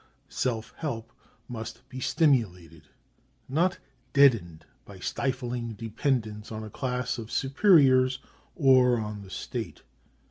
Self help must be stimulated, not deadened by stifling dependence on a class of superiors, or on the state.